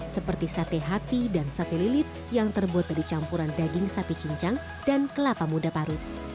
seperti sate hati dan sate lilit yang terbuat dari campuran daging sapi cincang dan kelapa muda parut